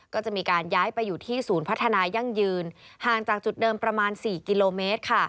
ก็จะมีการย้ายไปอยู่ที่ศูนย์พัฒนายั่งยืนห่างจากจุดเดิมประมาณ๔กิโลเมตรค่ะ